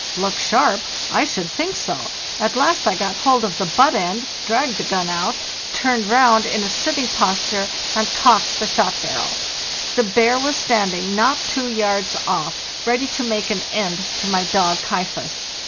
"Look sharp? I should think so! At last I got hold of the butt end, dragged the gun out, turned round ina LAND OAL LASL 3 Ww — sitting posture, and cocked the shot barrel. The bear was standing not two yards off, ready to make an end to my dog, 'Kaifas..